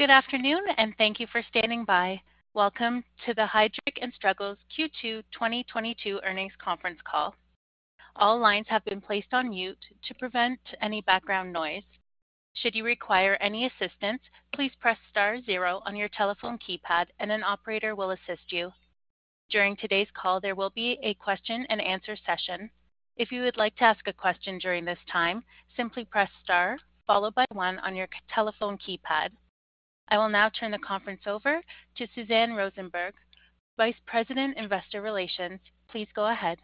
Good afternoon, and thank you for standing by. Welcome to the Heidrick & Struggles Q2 2022 earnings conference call. All lines have been placed on mute to prevent any background noise. Should you require any assistance, please press star zero on your telephone keypad and an operator will assist you. During today's call, there will be a question and answer session. If you would like to ask a question during this time, simply press star followed by one on your telephone keypad. I will now turn the conference over to Suzanne Rosenberg, Vice President, Investor Relations. Please go ahead.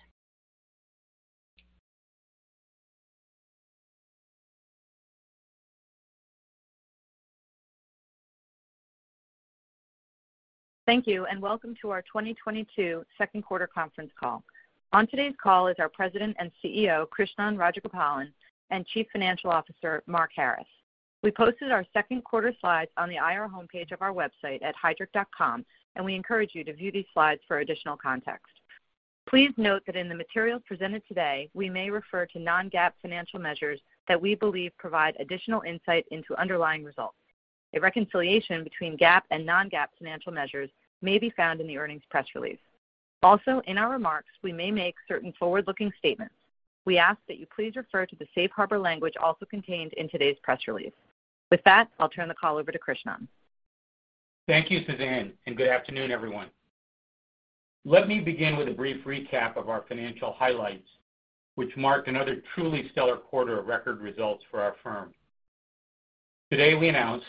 Thank you, and welcome to our 2022 second quarter conference call. On today's call is our President and CEO, Krishnan Rajagopalan, and Chief Financial Officer, Mark Harris. We posted our second quarter slides on the IR homepage of our website at heidrick.com, and we encourage you to view these slides for additional context. Please note that in the materials presented today, we may refer to non-GAAP financial measures that we believe provide additional insight into underlying results. A reconciliation between GAAP and non-GAAP financial measures may be found in the earnings press release. Also, in our remarks, we may make certain forward-looking statements. We ask that you please refer to the Safe Harbor language also contained in today's press release. With that, I'll turn the call over to Krishnan. Thank you, Suzanne, and good afternoon, everyone. Let me begin with a brief recap of our financial highlights, which marked another truly stellar quarter of record results for our firm. Today, we announced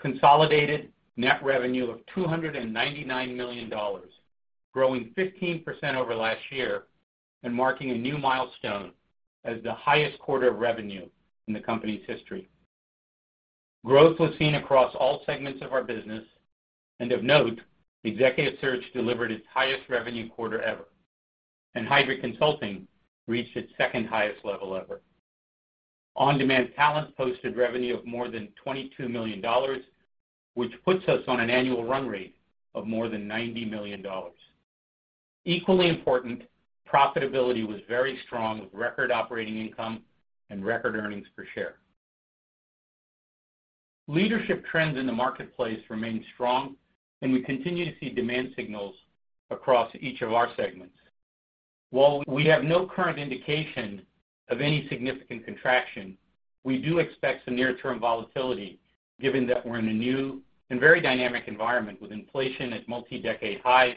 consolidated net revenue of $299 million, growing 15% over last year and marking a new milestone as the highest quarter of revenue in the company's history. Growth was seen across all segments of our business, and of note, Executive Search delivered its highest revenue quarter ever, and Heidrick Consulting reached its second highest level ever. On-Demand Talent posted revenue of more than $22 million, which puts us on an annual run rate of more than $90 million. Equally important, profitability was very strong with record operating income and record earnings per share. Leadership trends in the marketplace remain strong and we continue to see demand signals across each of our segments. While we have no current indication of any significant contraction, we do expect some near-term volatility, given that we're in a new and very dynamic environment with inflation at multi-decade highs,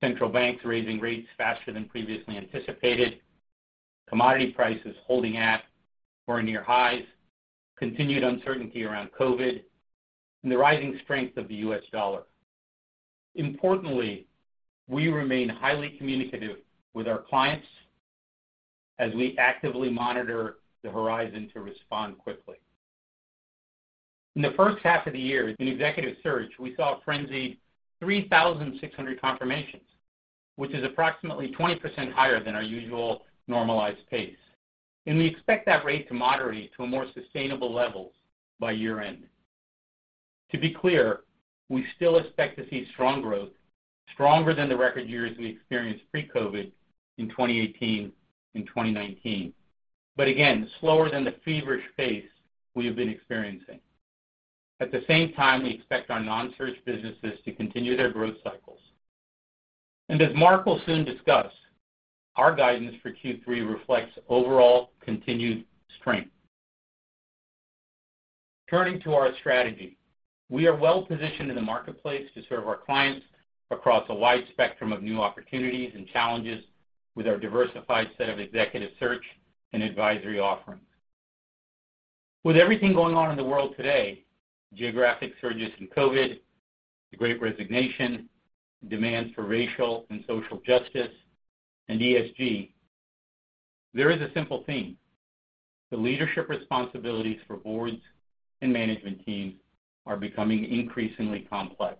central banks raising rates faster than previously anticipated, commodity prices holding at or near highs, continued uncertainty around COVID, and the rising strength of the US dollar. Importantly, we remain highly communicative with our clients as we actively monitor the horizon to respond quickly. In the first half of the year, in Executive Search, we saw a frenzy, 3,600 confirmations, which is approximately 20% higher than our usual normalized pace. We expect that rate to moderate to a more sustainable level by year-end. To be clear, we still expect to see strong growth, stronger than the record years we experienced pre-COVID in 2018 and 2019. Again, slower than the feverish pace we have been experiencing. At the same time, we expect our non-search businesses to continue their growth cycles. As Mark will soon discuss, our guidance for Q3 reflects overall continued strength. Turning to our strategy, we are well-positioned in the marketplace to serve our clients across a wide spectrum of new opportunities and challenges with our diversified set of executive search and advisory offerings. With everything going on in the world today, geographic surges in COVID, the great resignation, demands for racial and social justice, and ESG, there is a simple theme. The leadership responsibilities for boards and management teams are becoming increasingly complex.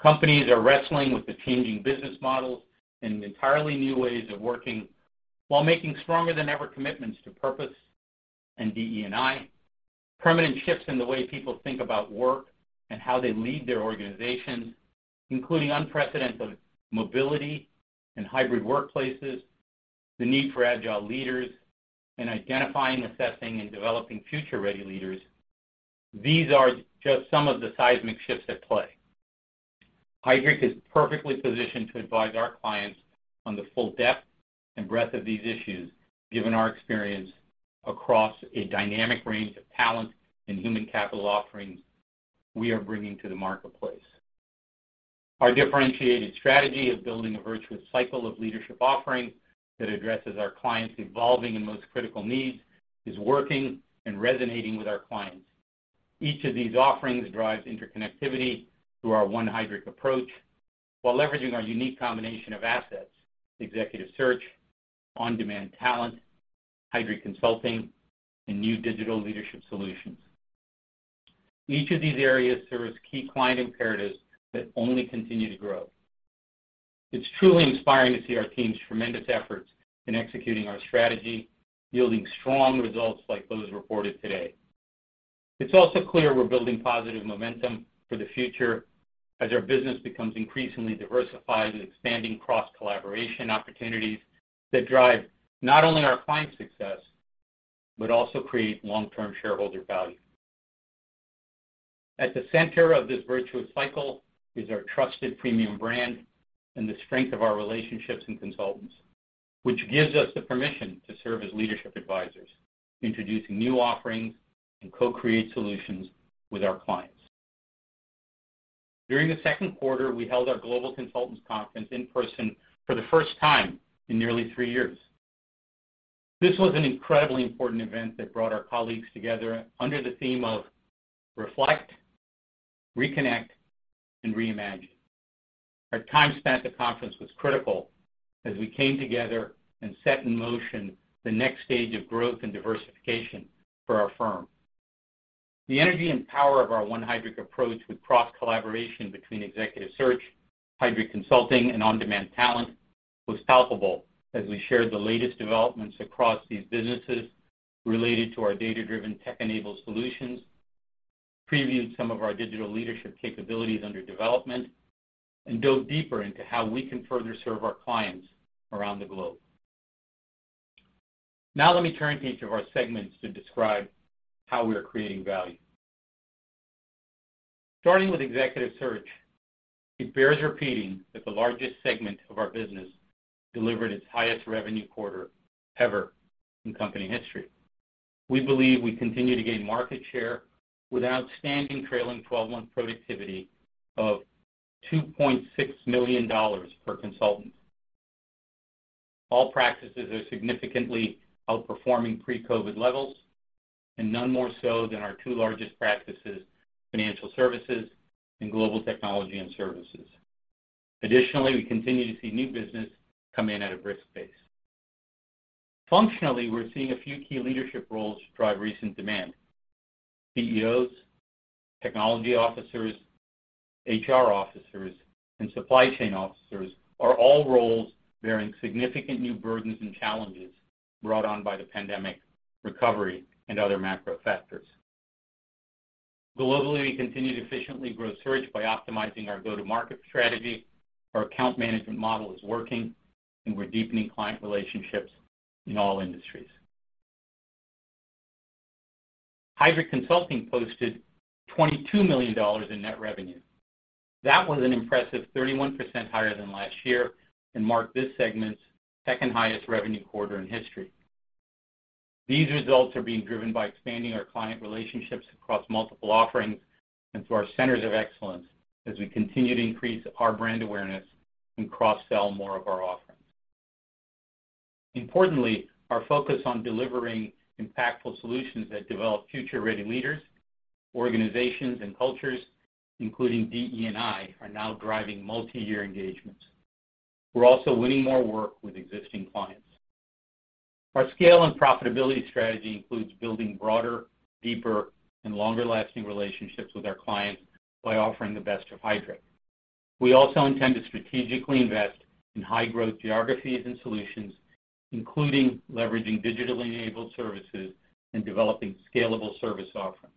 Companies are wrestling with the changing business models and entirely new ways of working while making stronger than ever commitments to purpose and DE&I. Permanent shifts in the way people think about work and how they lead their organizations, including unprecedented mobility and hybrid workplaces, the need for agile leaders, and identifying, assessing, and developing future-ready leaders. These are just some of the seismic shifts at play. Heidrick is perfectly positioned to advise our clients on the full depth and breadth of these issues, given our experience across a dynamic range of talent and human capital offerings we are bringing to the marketplace. Our differentiated strategy of building a virtuous cycle of leadership offerings that addresses our clients evolving and most critical needs is working and resonating with our clients. Each of these offerings drives interconnectivity through our One Heidrick approach, while leveraging our unique combination of assets, executive search, on-demand talent, Heidrick Consulting, and new digital leadership solutions. Each of these areas serve as key client imperatives that only continue to grow. It's truly inspiring to see our team's tremendous efforts in executing our strategy, yielding strong results like those reported today. It's also clear we're building positive momentum for the future. As our business becomes increasingly diversified with expanding cross-collaboration opportunities that drive not only our client success, but also create long-term shareholder value. At the center of this virtuous cycle is our trusted premium brand and the strength of our relationships and consultants, which gives us the permission to serve as leadership advisors, introducing new offerings and co-create solutions with our clients. During the second quarter, we held our Global Consultants Conference in person for the first time in nearly three years. This was an incredibly important event that brought our colleagues together under the theme of reflect, reconnect, and reimagine. Our time spent at the conference was critical as we came together and set in motion the next stage of growth and diversification for our firm. The energy and power of our One Heidrick approach with cross-collaboration between Executive Search, Heidrick Consulting and On-Demand Talent was palpable as we shared the latest developments across these businesses related to our data-driven tech-enabled solutions, previewed some of our digital leadership capabilities under development, and dove deeper into how we can further serve our clients around the globe. Now let me turn to each of our segments to describe how we are creating value. Starting with Executive Search, it bears repeating that the largest segment of our business delivered its highest revenue quarter ever in company history. We believe we continue to gain market share with outstanding trailing twelve-month productivity of $2.6 million per consultant. All practices are significantly outperforming pre-COVID levels, and none more so than our two largest practices, financial services and global technology and services. Additionally, we continue to see new business come in at a brisk pace. Functionally, we're seeing a few key leadership roles drive recent demand. CEOs, technology officers, HR officers, and supply chain officers are all roles bearing significant new burdens and challenges brought on by the pandemic, recovery, and other macro factors. Globally, we continued to efficiently grow search by optimizing our go-to-market strategy. Our account management model is working and we're deepening client relationships in all industries. Heidrick Consulting posted $22 million in net revenue. That was an impressive 31% higher than last year and marked this segment's second highest revenue quarter in history. These results are being driven by expanding our client relationships across multiple offerings and through our centers of excellence as we continue to increase our brand awareness and cross-sell more of our offerings. Importantly, our focus on delivering impactful solutions that develop future-ready leaders, organizations, and cultures, including DE&I, are now driving multiyear engagements. We're also winning more work with existing clients. Our scale and profitability strategy includes building broader, deeper, and longer-lasting relationships with our clients by offering the best of Heidrick. We also intend to strategically invest in high-growth geographies and solutions, including leveraging digitally enabled services and developing scalable service offerings.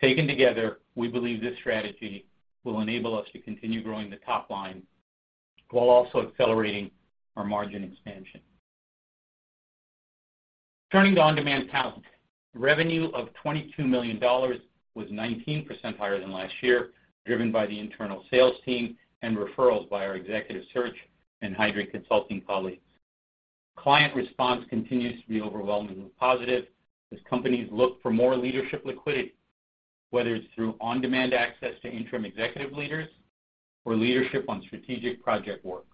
Taken together, we believe this strategy will enable us to continue growing the top line while also accelerating our margin expansion. Turning to On-Demand Talent. Revenue of $22 million was 19% higher than last year, driven by the internal sales team and referrals by our Executive Search and Heidrick Consulting colleagues. Client response continues to be overwhelmingly positive as companies look for more leadership liquidity, whether it's through on-demand access to interim executive leaders or leadership on strategic project work.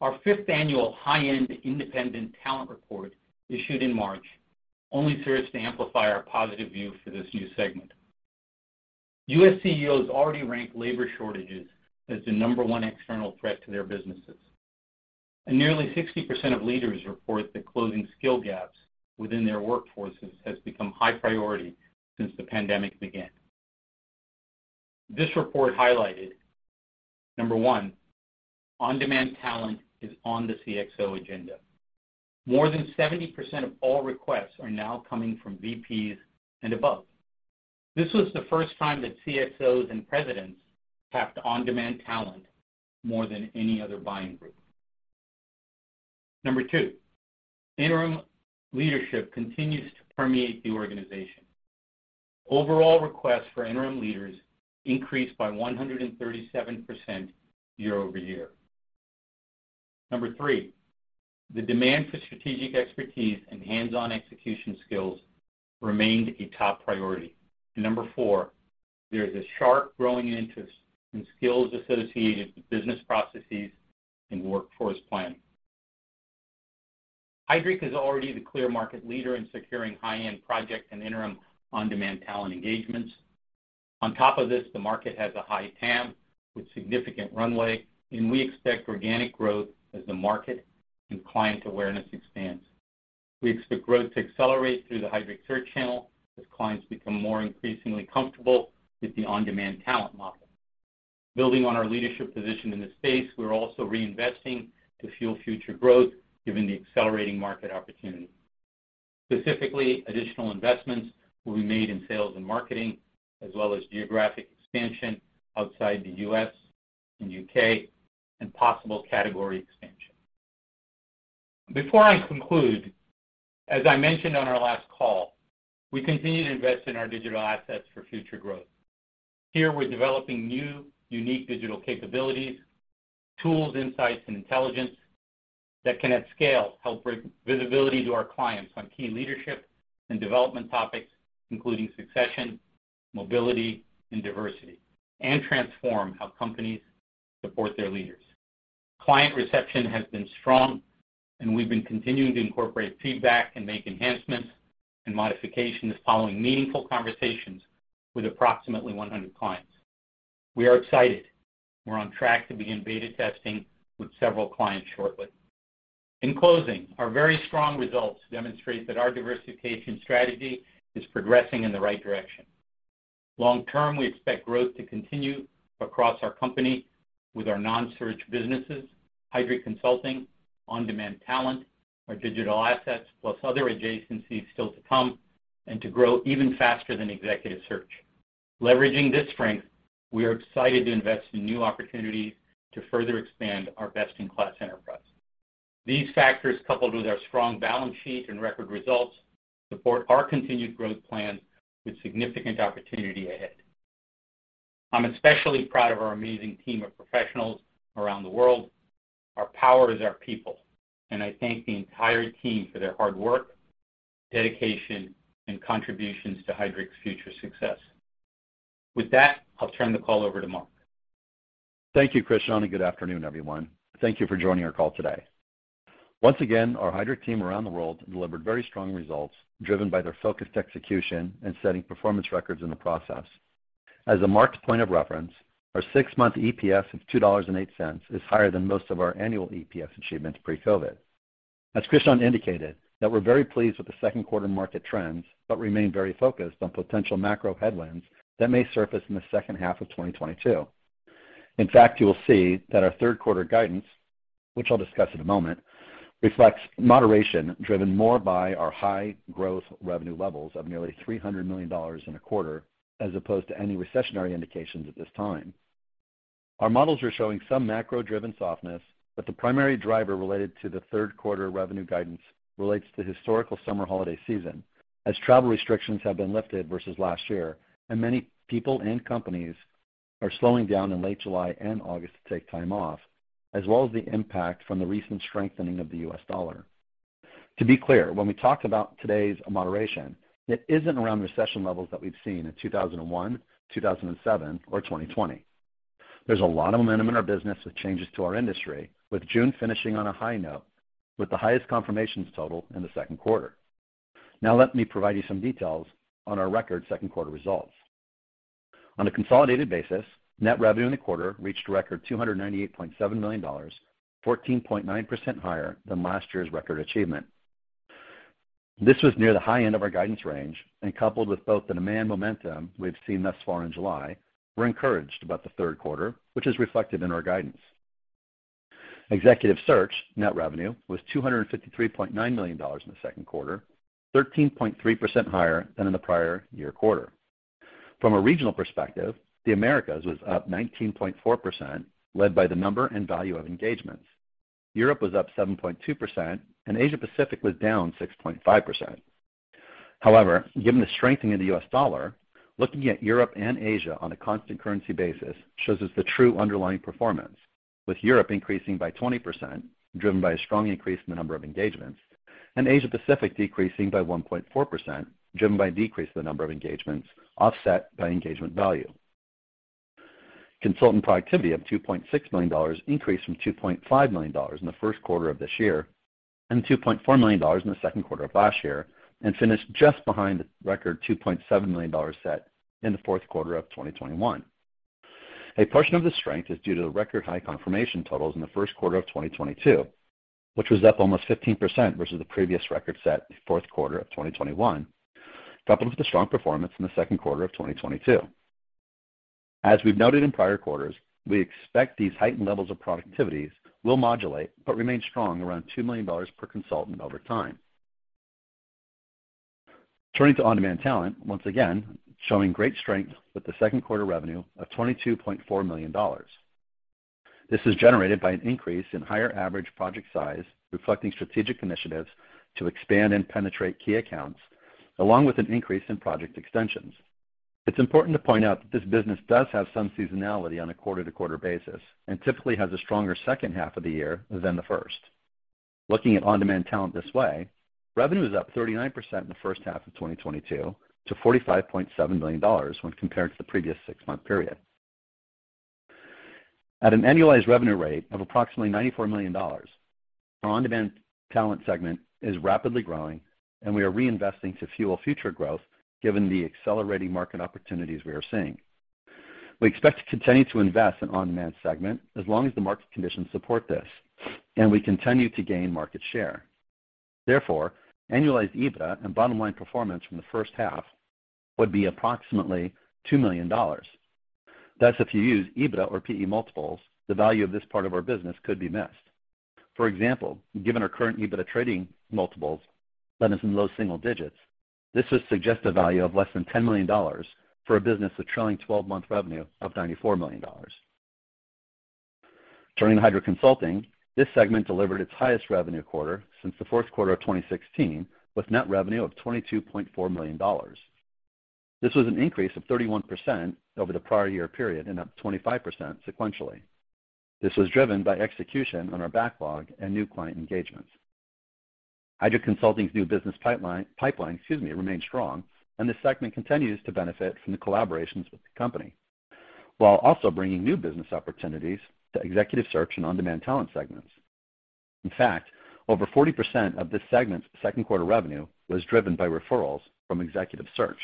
Our fifth annual High-End Independent Talent Report, issued in March, only serves to amplify our positive view for this new segment. U.S. CEOs already rank labor shortages as the number one external threat to their businesses, and nearly 60% of leaders report that closing skill gaps within their workforces has become high priority since the pandemic began. This report highlighted, number one, On-Demand Talent is on the CXO agenda. More than 70% of all requests are now coming from VPs and above. This was the first time that CXOs and presidents tapped On-Demand Talent more than any other buying group. Number two, interim leadership continues to permeate the organization. Overall requests for interim leaders increased by 137% year-over-year. Number three, the demand for strategic expertise and hands-on execution skills remained a top priority. Number four, there is a sharp growing interest in skills associated with business processes and workforce planning. Heidrick is already the clear market leader in securing high-end project and interim On-Demand Talent engagements. On top of this, the market has a high TAM with significant runway, and we expect organic growth as the market and client awareness expands. We expect growth to accelerate through the Heidrick search channel as clients become more increasingly comfortable with the On-Demand Talent model. Building on our leadership position in this space, we're also reinvesting to fuel future growth given the accelerating market opportunity. Specifically, additional investments will be made in sales and marketing, as well as geographic expansion outside the U.S. and U.K., and possible category expansion. Before I conclude, as I mentioned on our last call, we continue to invest in our digital assets for future growth. Here, we're developing new unique digital capabilities, tools, insights, and intelligence that can, at scale, help bring visibility to our clients on key leadership and development topics, including succession, mobility, and diversity, and transform how companies support their leaders. Client reception has been strong, and we've been continuing to incorporate feedback and make enhancements and modifications following meaningful conversations with approximately 100 clients. We are excited. We're on track to begin beta testing with several clients shortly. In closing, our very strong results demonstrate that our diversification strategy is progressing in the right direction. Long term, we expect growth to continue across our company with our non-search businesses, Heidrick Consulting, On-Demand Talent, our digital assets, plus other adjacencies still to come, and to grow even faster than executive search. Leveraging this strength, we are excited to invest in new opportunities to further expand our best-in-class enterprise. These factors, coupled with our strong balance sheet and record results, support our continued growth plans with significant opportunity ahead. I'm especially proud of our amazing team of professionals around the world. Our power is our people, and I thank the entire team for their hard work, dedication, and contributions to Heidrick's future success. With that, I'll turn the call over to Mark. Thank you, Krishnan. Good afternoon, everyone. Thank you for joining our call today. Once again, our Heidrick team around the world delivered very strong results driven by their focused execution and setting performance records in the process. As a marked point of reference, our six-month EPS of $2.08 is higher than most of our annual EPS achievements pre-COVID. As Krishnan indicated, that we're very pleased with the second quarter market trends, but remain very focused on potential macro headwinds that may surface in the second half of 2022. In fact, you will see that our third quarter guidance, which I'll discuss in a moment, reflects moderation driven more by our high growth revenue levels of nearly $300 million in a quarter, as opposed to any recessionary indications at this time. Our models are showing some macro-driven softness, but the primary driver related to the third quarter revenue guidance relates to historical summer holiday season, as travel restrictions have been lifted versus last year, and many people and companies are slowing down in late July and August to take time off, as well as the impact from the recent strengthening of the U.S. dollar. To be clear, when we talk about today's moderation, it isn't around the recession levels that we've seen in 2001, 2007, or 2020. There's a lot of momentum in our business with changes to our industry, with June finishing on a high note with the highest confirmations total in the second quarter. Now let me provide you some details on our record second quarter results. On a consolidated basis, net revenue in the quarter reached a record $298.7 million, 14.9% higher than last year's record achievement. This was near the high end of our guidance range, and coupled with both the demand momentum we've seen thus far in July, we're encouraged about the third quarter, which is reflected in our guidance. Executive Search net revenue was $253.9 million in the second quarter, 13.3% higher than in the prior year quarter. From a regional perspective, the Americas was up 19.4%, led by the number and value of engagements. Europe was up 7.2%, and Asia Pacific was down 6.5%. However, given the strengthening of the U.S. dollar, looking at Europe and Asia on a constant currency basis shows us the true underlying performance, with Europe increasing by 20%, driven by a strong increase in the number of engagements, and Asia Pacific decreasing by 1.4%, driven by a decrease in the number of engagements, offset by engagement value. Consultant productivity of $2.6 million increased from $2.5 million in the first quarter of this year and $2.4 million in the second quarter of last year, and finished just behind the record $2.7 million set in the fourth quarter of 2021. A portion of the strength is due to the record high confirmation totals in the first quarter of 2022, which was up almost 15% versus the previous record set in the fourth quarter of 2021, coupled with the strong performance in the second quarter of 2022. We've noted in prior quarters, we expect these heightened levels of productivities will modulate but remain strong around $2 million per consultant over time. Turning to On-Demand Talent, once again, showing great strength with the second quarter revenue of $22.4 million. This is generated by an increase in higher average project size, reflecting strategic initiatives to expand and penetrate key accounts, along with an increase in project extensions. It's important to point out that this business does have some seasonality on a quarter-to-quarter basis and typically has a stronger second half of the year than the first. Looking at On-Demand Talent this way, revenue is up 39% in the first half of 2022 to $45.7 million when compared to the previous six-month period. At an annualized revenue rate of approximately $94 million, our On-Demand Talent segment is rapidly growing, and we are reinvesting to fuel future growth given the accelerating market opportunities we are seeing. We expect to continue to invest in On-Demand segment as long as the market conditions support this, and we continue to gain market share. Therefore, annualized EBITDA and bottom line performance from the first half would be approximately $2 million. Thus, if you use EBITDA or P/E multiples, the value of this part of our business could be missed. For example, given our current EBITDA trading multiples that is in low single digits, this would suggest a value of less than $10 million for a business with trailing twelve-month revenue of $94 million. Turning to Heidrick Consulting, this segment delivered its highest revenue quarter since the fourth quarter of 2016, with net revenue of $22.4 million. This was an increase of 31% over the prior year period and up 25% sequentially. This was driven by execution on our backlog and new client engagements. Heidrick Consulting's new business pipeline remains strong, and this segment continues to benefit from the collaborations with the company, while also bringing new business opportunities to Executive Search and On-Demand Talent segments. In fact, over 40% of this segment's second quarter revenue was driven by referrals from Executive Search.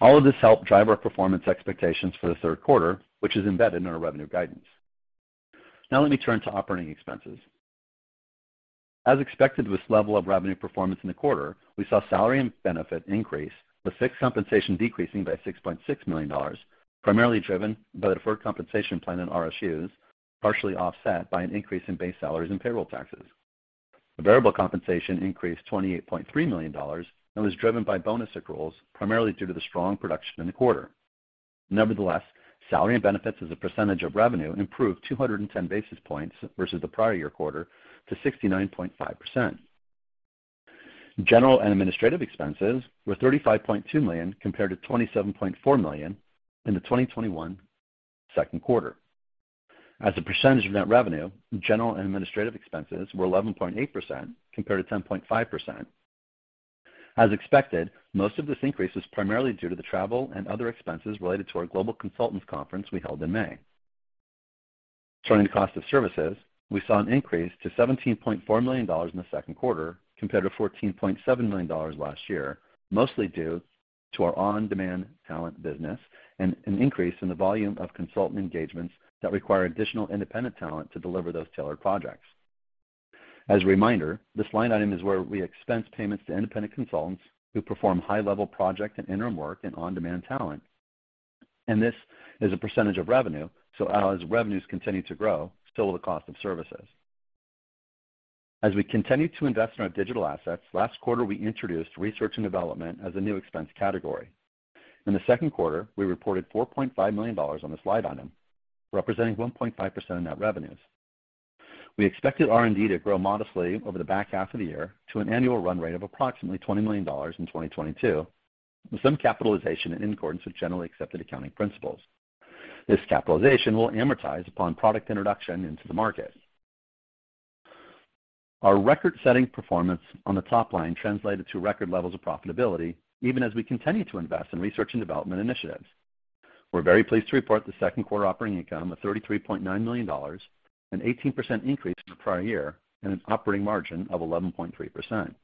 All of this helped drive our performance expectations for the third quarter, which is embedded in our revenue guidance. Now let me turn to operating expenses. As expected with level of revenue performance in the quarter, we saw salary and benefits increase, with fixed compensation decreasing by $6.6 million, primarily driven by the deferred compensation plan and RSUs, partially offset by an increase in base salaries and payroll taxes. The variable compensation increased $28.3 million and was driven by bonus accruals, primarily due to the strong production in the quarter. Nevertheless, salary and benefits as a percentage of revenue improved 210 basis points versus the prior year quarter to 69.5%. General and administrative expenses were $35.2 million compared to $27.4 million in the 2021 second quarter. As a percentage of net revenue, general and administrative expenses were 11.8% compared to 10.5%. As expected, most of this increase was primarily due to the travel and other expenses related to our Global Consultants Conference we held in May. Turning to cost of services, we saw an increase to $17.4 million in the second quarter compared to $14.7 million last year, mostly due to our On-Demand Talent business and an increase in the volume of consultant engagements that require additional independent talent to deliver those tailored projects. As a reminder, this line item is where we expense payments to independent consultants who perform high-level project and interim work in On-Demand Talent. This is a percentage of revenue, so as revenues continue to grow, so will the cost of services. As we continue to invest in our digital assets, last quarter we introduced research and development as a new expense category. In the second quarter, we reported $4.5 million on this line item, representing 1.5% of net revenues. We expect the R&D to grow modestly over the back half of the year to an annual run rate of approximately $20 million in 2022, with some capitalization in accordance with generally accepted accounting principles. This capitalization will amortize upon product introduction into the market. Our record-setting performance on the top line translated to record levels of profitability, even as we continue to invest in research and development initiatives. We're very pleased to report the second quarter operating income of $33.9 million, an 18% increase from the prior year, and an operating margin of 11.3%.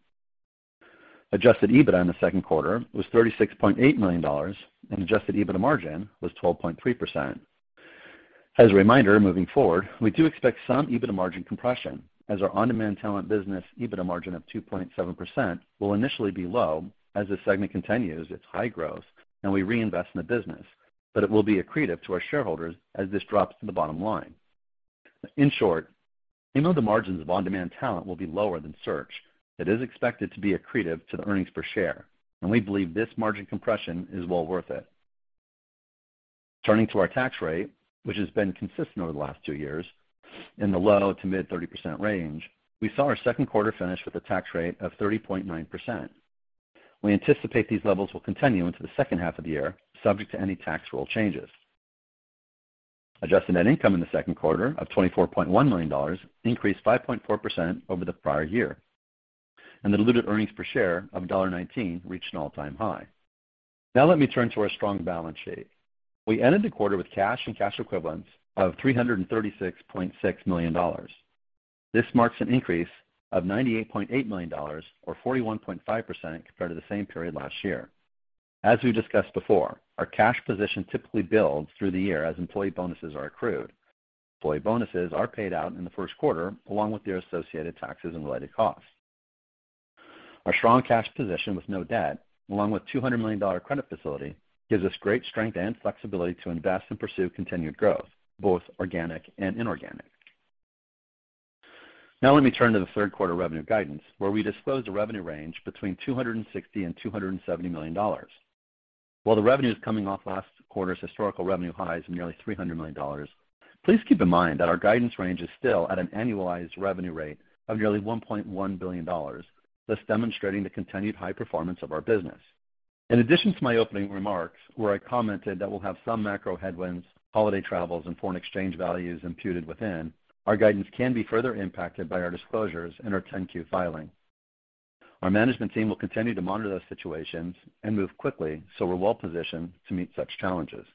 Adjusted EBITDA in the second quarter was $36.8 million, and adjusted EBITDA margin was 12.3%. As a reminder, moving forward, we do expect some EBITDA margin compression as our On-Demand Talent business EBITDA margin of 2.7% will initially be low as this segment continues its high growth and we reinvest in the business, but it will be accretive to our shareholders as this drops to the bottom line. In short, even though the margins of On-Demand Talent will be lower than search, it is expected to be accretive to the earnings per share, and we believe this margin compression is well worth it. Turning to our tax rate, which has been consistent over the last two years in the low- to mid-30% range, we saw our second quarter finish with a tax rate of 30.9%. We anticipate these levels will continue into the second half of the year, subject to any tax rule changes. Adjusted net income in the second quarter of $24.1 million increased 5.4% over the prior year, and the diluted earnings per share of $1.19 reached an all-time high. Now let me turn to our strong balance sheet. We ended the quarter with cash and cash equivalents of $336.6 million. This marks an increase of $98.8 million or 41.5% compared to the same period last year. As we discussed before, our cash position typically builds through the year as employee bonuses are accrued. Employee bonuses are paid out in the first quarter along with their associated taxes and related costs. Our strong cash position with no debt, along with $200 million credit facility, gives us great strength and flexibility to invest and pursue continued growth, both organic and inorganic. Now let me turn to the third quarter revenue guidance, where we disclosed a revenue range between $260 and $270 million. While the revenue is coming off last quarter's historical revenue highs of nearly $300 million, please keep in mind that our guidance range is still at an annualized revenue rate of nearly $1.1 billion, thus demonstrating the continued high performance of our business. In addition to my opening remarks, where I commented that we'll have some macro headwinds, holiday travels, and foreign exchange values imputed within, our guidance can be further impacted by our disclosures in our 10-Q filing. Our management team will continue to monitor those situations and move quickly, so we're well positioned to meet such challenges.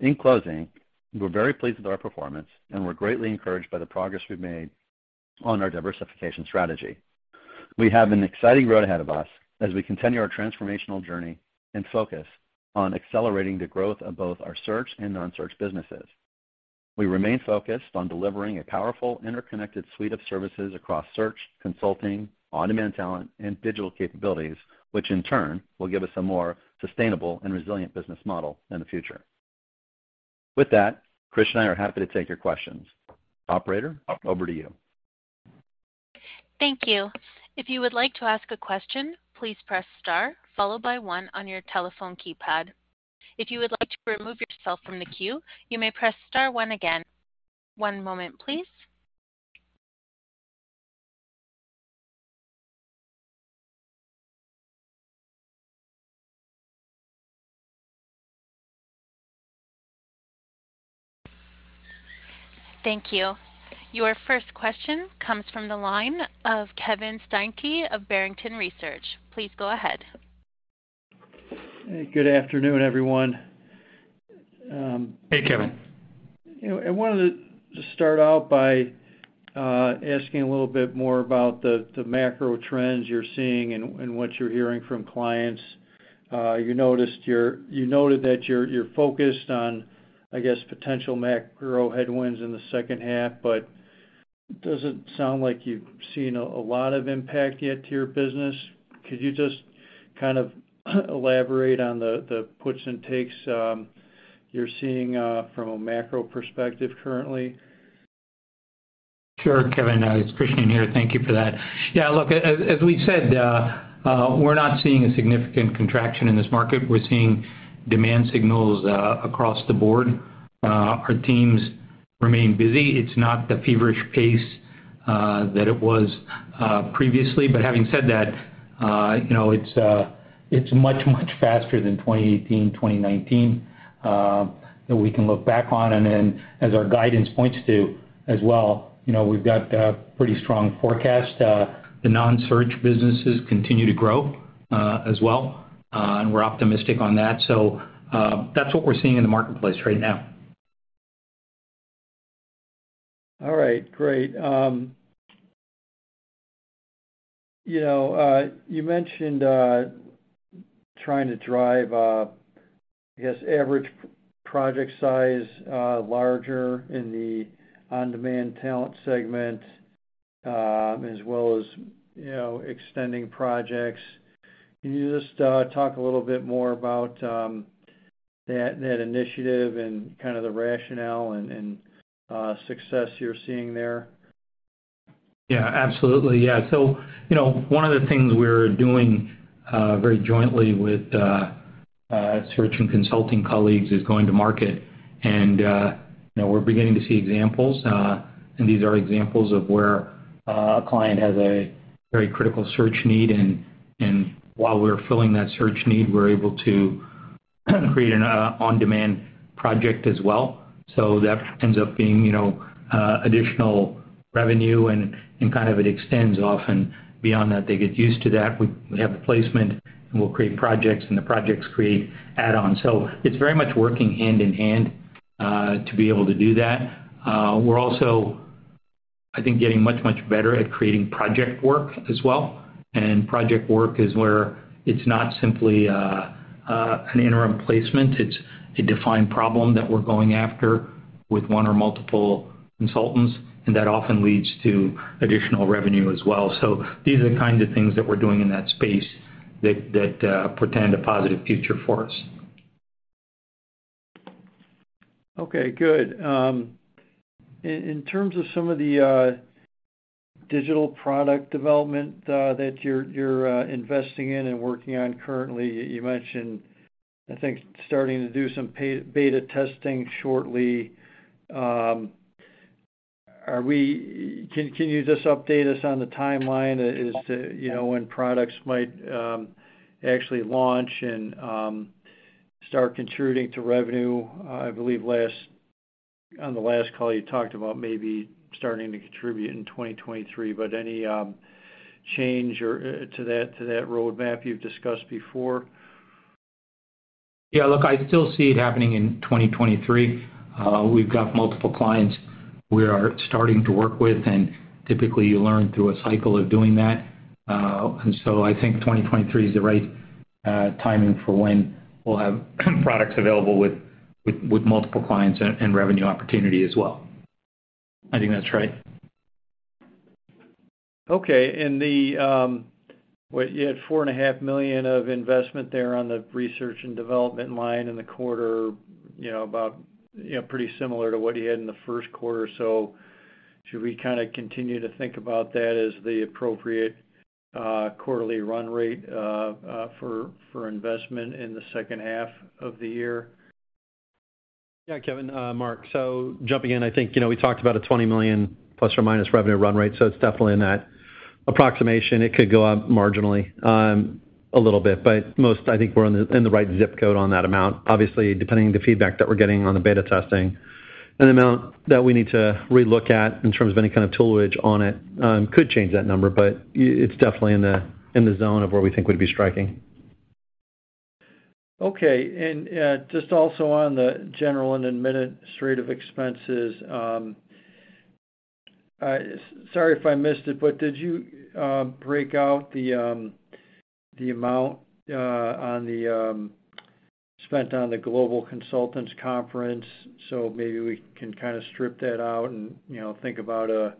In closing, we're very pleased with our performance, and we're greatly encouraged by the progress we've made on our diversification strategy. We have an exciting road ahead of us as we continue our transformational journey and focus on accelerating the growth of both our search and non-search businesses. We remain focused on delivering a powerful, interconnected suite of services across search, consulting, on-demand talent, and digital capabilities, which in turn will give us a more sustainable and resilient business model in the future. With that, Krishnan and I are happy to take your questions. Operator, over to you. Thank you. If you would like to ask a question, please press star followed by one on your telephone keypad. If you would like to remove yourself from the queue, you may press star one again. One moment, please. Thank you. Your first question comes from the line of Kevin Steinke of Barrington Research. Please go ahead. Good afternoon, everyone. Hey, Kevin. You know, I wanted to just start out by asking a little bit more about the macro trends you're seeing and what you're hearing from clients. You noted that you're focused on, I guess, potential macro headwinds in the second half, but doesn't sound like you've seen a lot of impact yet to your business. Could you just kind of elaborate on the puts and takes you're seeing from a macro perspective currently? Sure, Kevin. It's Krishnan here. Thank you for that. Yeah, look, as we said, we're not seeing a significant contraction in this market. We're seeing demand signals across the board. Our teams remain busy. It's not the feverish pace that it was previously. But having said that, you know, it's much, much faster than 2018, 2019 that we can look back on. And then as our guidance points to as well, you know, we've got a pretty strong forecast. The non-search businesses continue to grow as well, and we're optimistic on that. So, that's what we're seeing in the marketplace right now. All right. Great. You know, you mentioned trying to drive, I guess, average project size larger in the on-demand talent segment, as well as, you know, extending projects. Can you just talk a little bit more about that initiative and kind of the rationale and success you're seeing there? Yeah, absolutely. Yeah. You know, one of the things we're doing very jointly with search and consulting colleagues is going to market. You know, we're beginning to see examples, and these are examples of where a client has a very critical search need. While we're filling that search need, we're able to create an on-demand project as well. That ends up being, you know, additional revenue and kind of it extends often beyond that. They get used to that. We have the placement, and we'll create projects, and the projects create add-ons. It's very much working hand in hand to be able to do that. We're also, I think, getting much better at creating project work as well. Project work is where it's not simply an interim placement. It's a defined problem that we're going after with one or multiple consultants, and that often leads to additional revenue as well. These are the kinds of things that we're doing in that space that portend a positive future for us. Okay, good. In terms of some of the digital product development that you're investing in and working on currently, you mentioned, I think, starting to do some beta testing shortly. Can you just update us on the timeline as to, you know, when products might actually launch and start contributing to revenue? I believe on the last call, you talked about maybe starting to contribute in 2023, but any change or to that roadmap you've discussed before? Yeah, look, I still see it happening in 2023. We've got multiple clients we are starting to work with, and typically you learn through a cycle of doing that. I think 2023 is the right timing for when we'll have products available with multiple clients and revenue opportunity as well. I think that's right. You had $4.5 million of investment there on the research and development line in the quarter, you know, about, you know, pretty similar to what you had in the first quarter. Should we kind of continue to think about that as the appropriate quarterly run rate for investment in the second half of the year? Yeah, Kevin. Mark. Jumping in, I think, you know, we talked about a $20 million ± revenue run rate, so it's definitely in that approximation. It could go up marginally, a little bit, but most I think we're in the right zip code on that amount. Obviously, depending on the feedback that we're getting on the beta testing, an amount that we need to relook at in terms of any kind of toolage on it, could change that number. It's definitely in the zone of where we think we'd be striking. Okay. Just also on the general and administrative expenses, sorry if I missed it, but did you break out the amount spent on the Global Consultants Conference so maybe we can kinda strip that out and, you know, think about a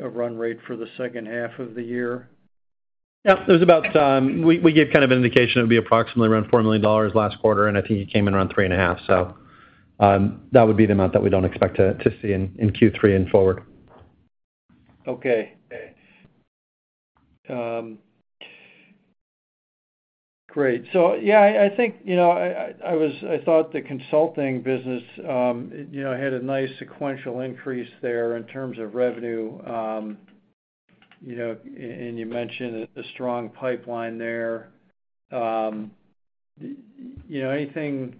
run rate for the second half of the year? Yeah. It was about, we gave kind of indication it'd be approximately around $4 million last quarter, and I think it came in around $3.5 million. That would be the amount that we don't expect to see in Q3 and forward. Okay. Great. Yeah, I think, you know, I thought the consulting business, you know, had a nice sequential increase there in terms of revenue. You know, and you mentioned a strong pipeline there. You know, anything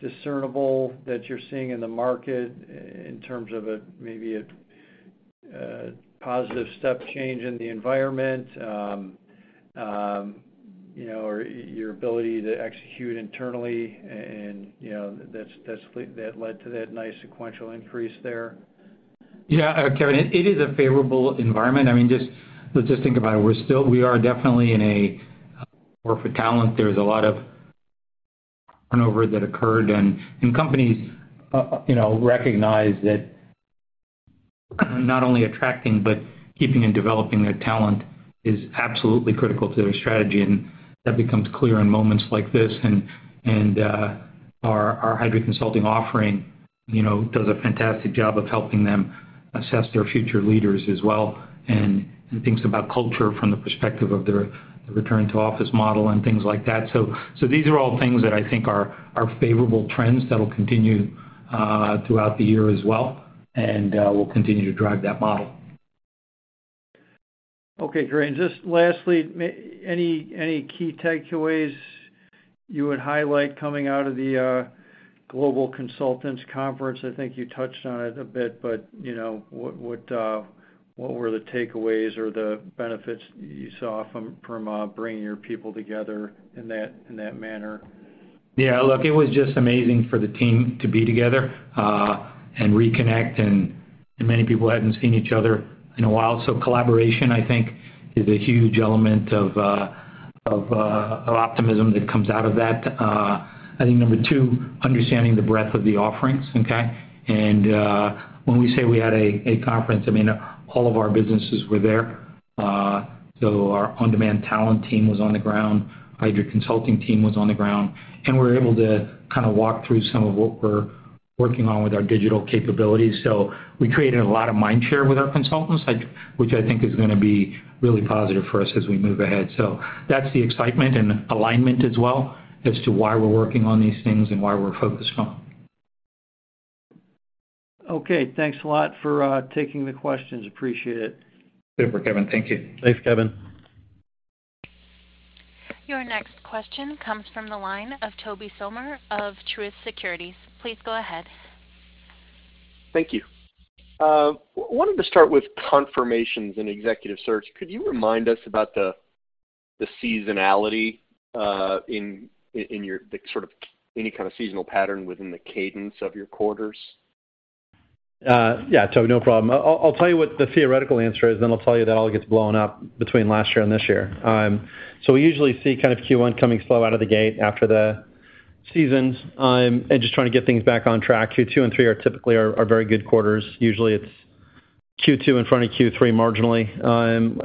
discernible that you're seeing in the market in terms of a maybe a positive step change in the environment, you know, or your ability to execute internally and, you know, that led to that nice sequential increase there? Yeah, Kevin, it is a favorable environment. I mean, just let's just think about it. We are definitely in a war for talent. There's a lot of turnover that occurred, and companies, you know, recognize that not only attracting but keeping and developing their talent is absolutely critical to their strategy, and that becomes clear in moments like this. Our hybrid consulting offering, you know, does a fantastic job of helping them assess their future leaders as well, and it thinks about culture from the perspective of their return to office model and things like that. These are all things that I think are favorable trends that'll continue throughout the year as well and will continue to drive that model. Okay, great. Just lastly, any key takeaways you would highlight coming out of the Global Consultants Conference? I think you touched on it a bit, but you know, what were the takeaways or the benefits you saw from bringing your people together in that manner? Yeah. Look, it was just amazing for the team to be together, and reconnect, and many people hadn't seen each other in a while. Collaboration, I think, is a huge element of optimism that comes out of that. I think number two, understanding the breadth of the offerings, okay? When we say we had a conference, I mean, all of our businesses were there. So our on-demand talent team was on the ground, hybrid consulting team was on the ground, and we were able to kinda walk through some of what we're working on with our digital capabilities. We created a lot of mind share with our consultants, like, which I think is gonna be really positive for us as we move ahead. That's the excitement and alignment as well as to why we're working on these things and why we're focused on them. Okay. Thanks a lot for taking the questions. Appreciate it. Super, Kevin. Thank you. Thanks, Kevin. Your next question comes from the line of Tobey Sommer of Truist Securities. Please go ahead. Thank you. Wanted to start with confirmations in Executive Search. Could you remind us about the seasonality, the sort of any kind of seasonal pattern within the cadence of your quarters? Yeah, Toby, no problem. I'll tell you what the theoretical answer is, then I'll tell you that all gets blown up between last year and this year. We usually see kind of Q1 coming slow out of the gate after the seasons, and just trying to get things back on track. Q2 and Q3 are typically very good quarters. Usually, it's Q2 in front of Q3 marginally.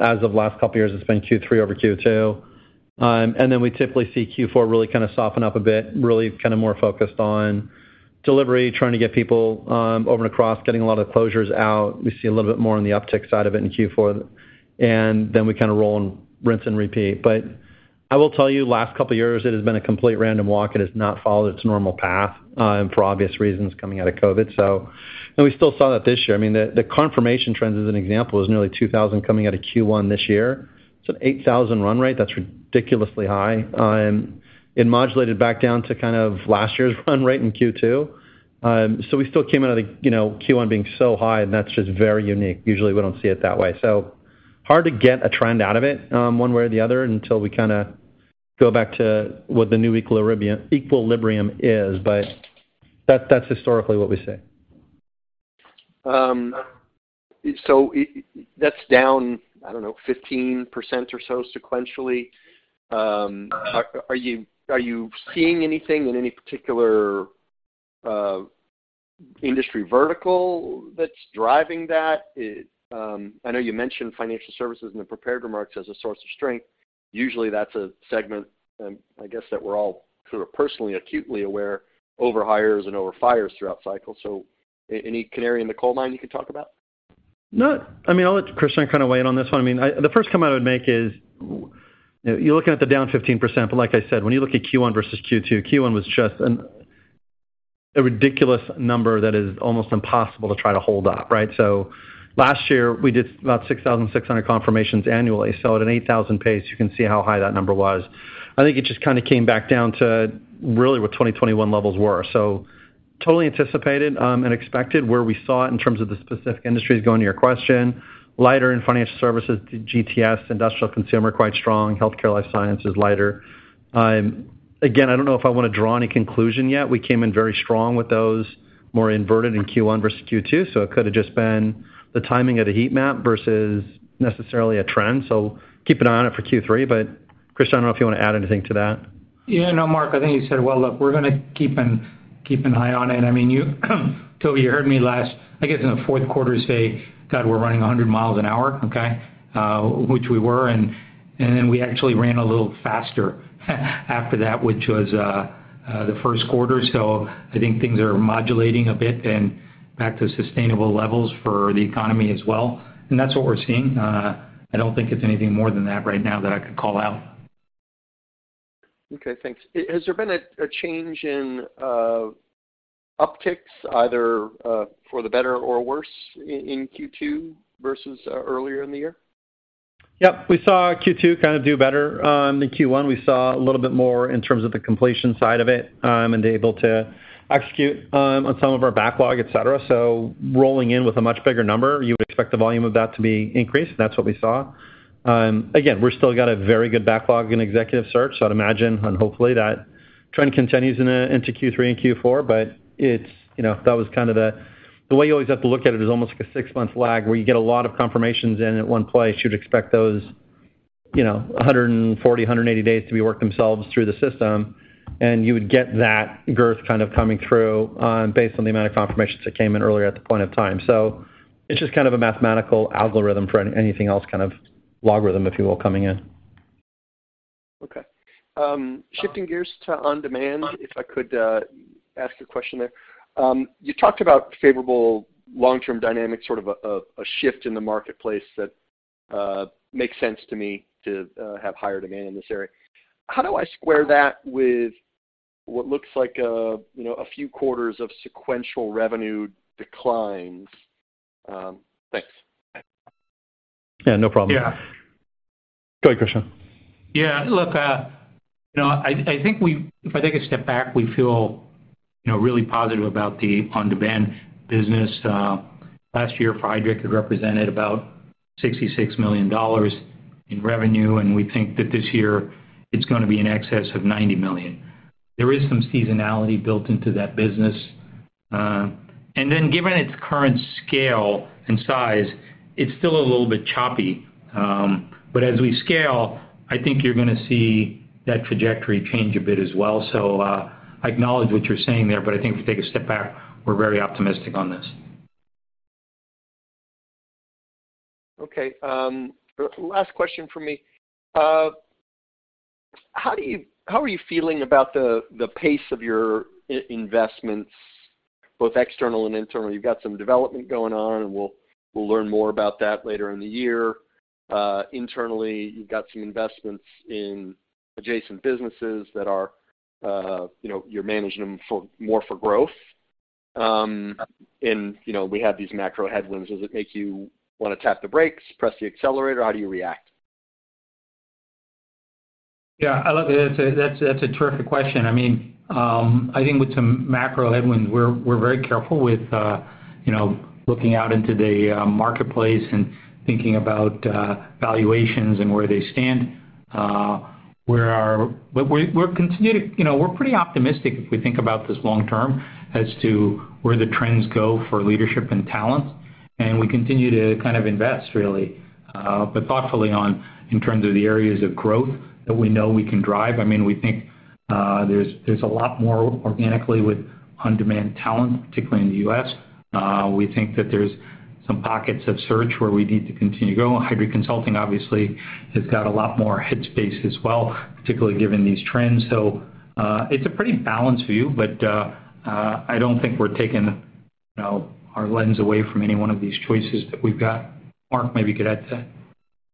As of last couple years, it's been Q3 over Q2. We typically see Q4 really kind of soften up a bit, really kind of more focused on delivery, trying to get people over and across, getting a lot of closures out. We see a little bit more on the uptick side of it in Q4, and then we kinda roll and rinse and repeat. I will tell you, last couple years, it has been a complete random walk. It has not followed its normal path, and for obvious reasons coming out of COVID. We still saw that this year. I mean, the confirmation trends, as an example, is nearly 2,000 coming out of Q1 this year. It's an 8,000 run rate. That's ridiculously high. It modulated back down to kind of last year's run rate in Q2. We still came out of the, you know, Q1 being so high, and that's just very unique. Usually, we don't see it that way. Hard to get a trend out of it, one way or the other until we kinda go back to what the new equilibrium is. That, that's historically what we see. That's down, I don't know, 15% or so sequentially. Are you seeing anything in any particular industry vertical that's driving that? I know you mentioned financial services in the prepared remarks as a source of strength. Usually, that's a segment, I guess, that we're all sort of personally acutely aware of hires and firings throughout cycles. Any canary in the coal mine you can talk about? I'll let Krishnan kind of weigh in on this one. I mean, the first comment I would make is, you're looking at the down 15%, but like I said, when you look at Q1 versus Q2, Q1 was just a ridiculous number that is almost impossible to try to hold up, right? Last year, we did about 6,600 confirmations annually. So at an 8,000 pace, you can see how high that number was. I think it just kinda came back down to really what 2021 levels were. Totally anticipated and expected where we saw it in terms of the specific industries, going to your question, lighter in financial services, GTS, industrial consumer, quite strong. Healthcare, life sciences, lighter. Again, I don't know if I wanna draw any conclusion yet. We came in very strong with those more inverted in Q1 versus Q2, so it could have just been the timing of the heat map versus necessarily a trend. Keep an eye on it for Q3. Krishnan, I don't know if you wanna add anything to that. Yeah, no, Mark, I think you said well. Look, we're gonna keep an eye on it. I mean, you, Toby, you heard me last, I guess, in the fourth quarter say that we're running 100 miles an hour, okay? Which we were. We actually ran a little faster after that, which was the first quarter. I think things are modulating a bit and back to sustainable levels for the economy as well. That's what we're seeing. I don't think it's anything more than that right now that I could call out. Okay, thanks. Has there been a change in upticks either for the better or worse in Q2 versus earlier in the year? Yep. We saw Q2 kind of do better than Q1. We saw a little bit more in terms of the completion side of it, and able to execute on some of our backlog, et cetera. Rolling in with a much bigger number, you would expect the volume of that to be increased. That's what we saw. Again, we're still got a very good backlog in Executive Search, so I'd imagine and hopefully that trend continues into Q3 and Q4, but it's, you know, that was kind of the way you always have to look at it is almost like a six-month lag, where you get a lot of confirmations in at one place. You'd expect those, you know, one hundred and forty, one hundred and eighty days to be worked themselves through the system, and you would get that girth kind of coming through, based on the amount of confirmations that came in earlier at the point of time. It's just kind of a mathematical algorithm for anything else, kind of logarithm, if you will, coming in. Okay. Shifting gears to on-demand, if I could, ask a question there. You talked about favorable long-term dynamics, sort of a shift in the marketplace that makes sense to me to have higher demand in this area. How do I square that with what looks like, you know, a few quarters of sequential revenue declines? Thanks. Yeah, no problem. Yeah. Go ahead, Krishnan. Yeah. Look, you know, I think if I take a step back, we feel, you know, really positive about the on-demand business. Last year for Heidrick, it represented about $66 million in revenue, and we think that this year it's gonna be in excess of $90 million. There is some seasonality built into that business. Given its current scale and size, it's still a little bit choppy. As we scale, I think you're gonna see that trajectory change a bit as well. I acknowledge what you're saying there, but I think if we take a step back, we're very optimistic on this. Okay. Last question from me. How are you feeling about the pace of your investments, both external and internal? You've got some development going on, and we'll learn more about that later in the year. Internally, you've got some investments in adjacent businesses that you know, you're managing them for more for growth. You know, we have these macro headwinds. Does it make you wanna tap the brakes, press the accelerator? How do you react? That's a terrific question. I mean, I think with some macro headwinds, we're very careful with, you know, looking out into the marketplace and thinking about valuations and where they stand. You know, we're pretty optimistic if we think about this long term as to where the trends go for leadership and talent, and we continue to kind of invest really, but thoughtfully in terms of the areas of growth that we know we can drive. I mean, we think there's a lot more organically with on-demand talent, particularly in the U.S. We think that there's some pockets of search where we need to continue to grow. Heidrick Consulting obviously has got a lot more headspace as well, particularly given these trends. It's a pretty balanced view, but I don't think we're taking, you know, our lens away from any one of these choices that we've got. Mark, maybe you could add to that.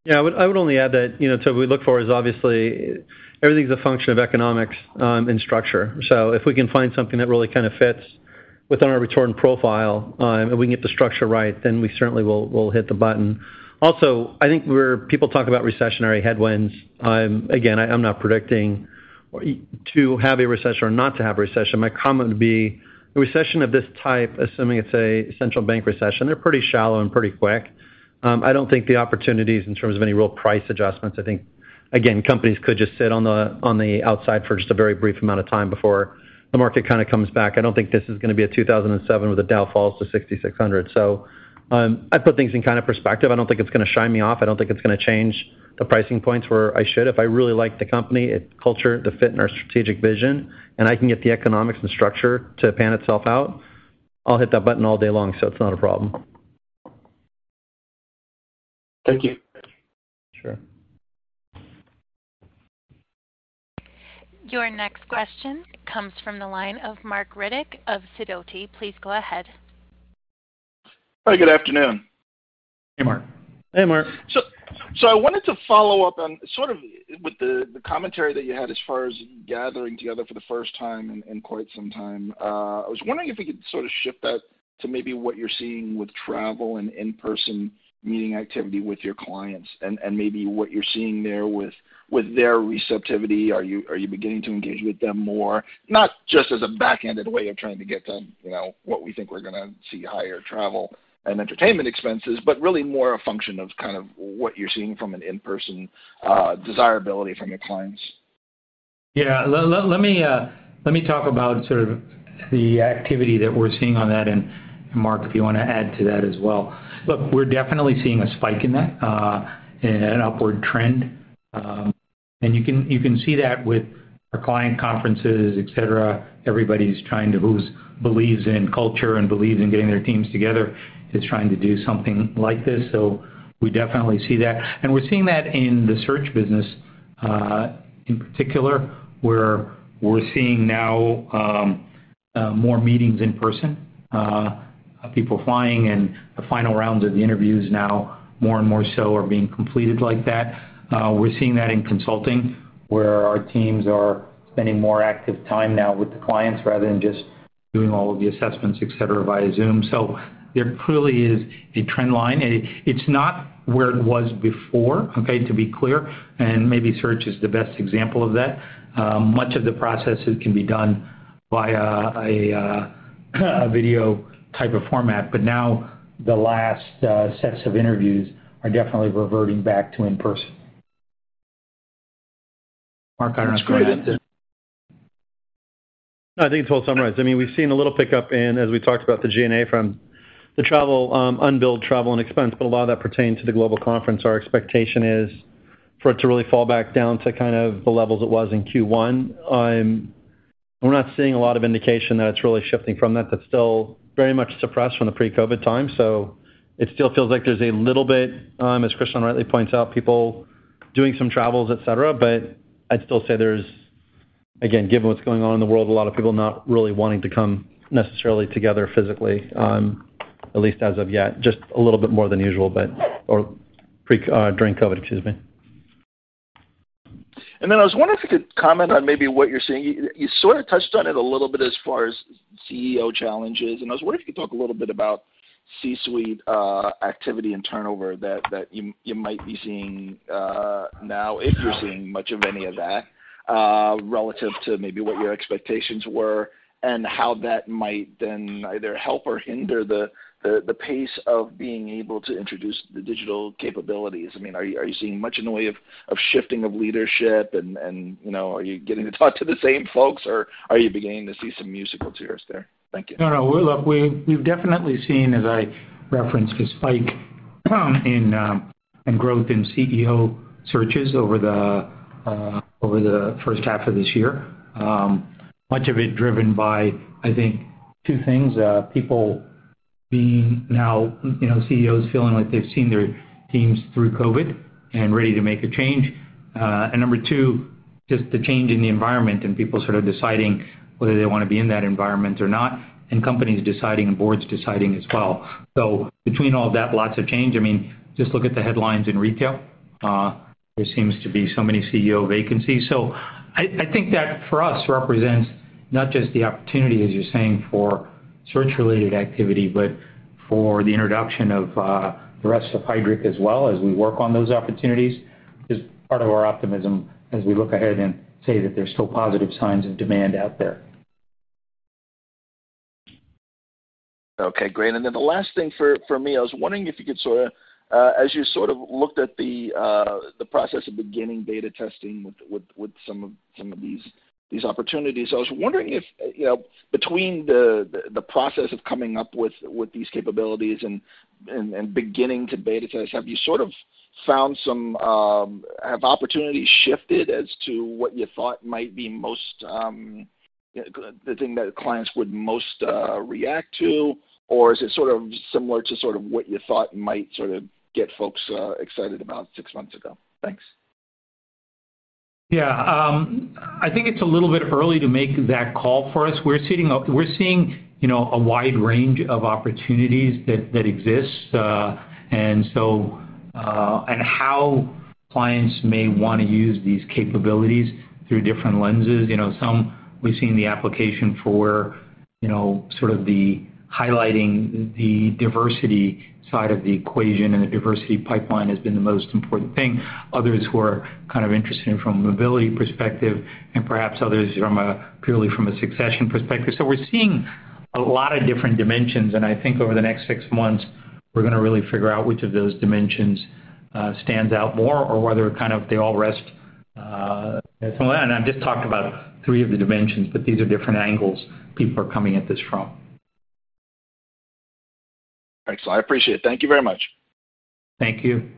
Yeah. I would only add that, you know, Toby, we look for is obviously everything's a function of economics, and structure. If we can find something that really kind of fits within our return profile, and we can get the structure right, then we certainly will hit the button. People talk about recessionary headwinds. Again, I'm not predicting to have a recession or not to have a recession. My comment would be a recession of this type, assuming it's a central bank recession, they're pretty shallow and pretty quick. I don't think the opportunities in terms of any real price adjustments. I think, again, companies could just sit on the outside for just a very brief amount of time before the market kinda comes back. I don't think this is gonna be a 2007 where the Dow falls to 6,600. I put things in kind of perspective. I don't think it's gonna scare me off. I don't think it's gonna change the pricing points where I should. If I really like the company, its culture, the fit, and our strategic vision, and I can get the economics and structure to pan out, I'll hit that button all day long, so it's not a problem. Thank you. Sure. Your next question comes from the line of Marc Riddick of Sidoti & Company. Please go ahead. Hi, good afternoon. Hey, Mark. Hey, Mark. I wanted to follow up on sort of with the commentary that you had as far as gathering together for the first time in quite some time. I was wondering if we could sort of shift that to maybe what you're seeing with travel and in-person meeting activity with your clients and maybe what you're seeing there with their receptivity. Are you beginning to engage with them more? Not just as a back-ended way of trying to get to, you know, what we think we're gonna see higher travel and entertainment expenses, but really more a function of kind of what you're seeing from an in-person desirability from your clients. Yeah. Let me talk about sort of the activity that we're seeing on that. Mark, if you wanna add to that as well. Look, we're definitely seeing a spike in that, an upward trend. You can see that with our client conferences, et cetera. Everybody's trying to, who believes in culture and believes in getting their teams together, is trying to do something like this. We definitely see that. We're seeing that in the search business, in particular, where we're seeing now more meetings in person, people flying, and the final rounds of the interviews now more and more so are being completed like that. We're seeing that in consulting, where our teams are spending more active time now with the clients rather than just doing all of the assessments, et cetera, via Zoom. There clearly is a trend line, and it's not where it was before, okay, to be clear, and maybe search is the best example of that. Much of the processes can be done via a video type of format. Now the last sets of interviews are definitely reverting back to in-person. Mark, I don't know if you wanna add to that. That's great. No, I think it's well summarized. I mean, we've seen a little pickup in, as we talked about the G&A from the travel, unbilled travel and expense, but a lot of that pertains to the global conference. Our expectation is for it to really fall back down to kind of the levels it was in Q1. We're not seeing a lot of indication that it's really shifting from that's still very much suppressed from the pre-COVID time. It still feels like there's a little bit, as Krishnan rightly points out, people doing some travels, et cetera, but I'd still say there's, again, given what's going on in the world, a lot of people not really wanting to come necessarily together physically, at least as of yet, just a little bit more than usual, but during COVID, excuse me. I was wondering if you could comment on maybe what you're seeing. You sorta touched on it a little bit as far as CEO challenges, and I was wondering if you could talk a little bit about C-suite activity and turnover that you might be seeing now if you're seeing much of any of that relative to maybe what your expectations were and how that might then either help or hinder the pace of being able to introduce the digital capabilities. I mean, are you seeing much in the way of shifting of leadership and you know, are you getting to talk to the same folks, or are you beginning to see some musical chairs there? Thank you. No, no. Look, we've definitely seen, as I referenced, a spike in growth in CEO searches over the first half of this year. Much of it driven by, I think, two things, people being now, you know, CEOs feeling like they've seen their teams through COVID and ready to make a change. Number two, just the change in the environment and people sort of deciding whether they wanna be in that environment or not, and companies deciding and boards deciding as well. Between all that, lots of change. I mean, just look at the headlines in retail. There seems to be so many CEO vacancies. I think that for us represents not just the opportunity, as you're saying, for search-related activity, but for the introduction of the rest of Heidrick as well as we work on those opportunities is part of our optimism as we look ahead and say that there's still positive signs of demand out there. Okay, great. The last thing for me, I was wondering if you could sorta as you sort of looked at the process of beginning beta testing with some of these opportunities, I was wondering if, you know, between the process of coming up with these capabilities and beginning to beta test, have you sort of found some opportunities shifted as to what you thought might be most the thing that clients would most react to? Is it sort of similar to sort of what you thought might sort of get folks excited about six months ago? Thanks. Yeah. I think it's a little bit early to make that call for us. We're seeing, you know, a wide range of opportunities that exist. And how clients may wanna use these capabilities through different lenses. You know, some we've seen the application for, you know, sort of the highlighting the diversity side of the equation, and the diversity pipeline has been the most important thing. Others who are kind of interested in from a mobility perspective and perhaps others from a purely from a succession perspective. We're seeing a lot of different dimensions, and I think over the next six months, we're gonna really figure out which of those dimensions stands out more or whether kind of they all rest. I'm just talking about three of the dimensions, but these are different angles people are coming at this from. Excellent. I appreciate it. Thank you very much. Thank you.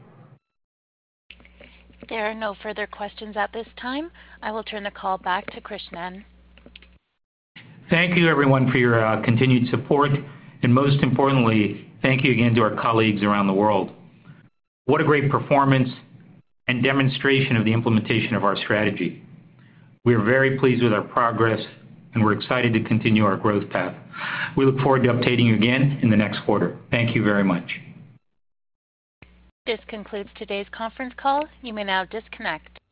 There are no further questions at this time. I will turn the call back to Krishnan. Thank you everyone for your continued support, and most importantly, thank you again to our colleagues around the world. What a great performance and demonstration of the implementation of our strategy. We are very pleased with our progress, and we're excited to continue our growth path. We look forward to updating you again in the next quarter. Thank you very much. This concludes today's conference call. You may now disconnect.